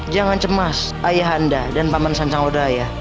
jangan cemas ayah anda dan paman sanjang lodaya